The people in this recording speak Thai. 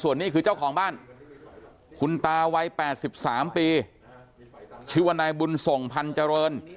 ส่วนนี้คือเจ้าของบ้านคุณตาวัย๘๓ปีชื่อว่านายบุญส่งพันธ์เจริญ